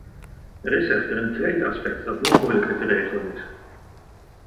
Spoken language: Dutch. Er is echter een tweede aspect, dat nog moeilijker te regelen is.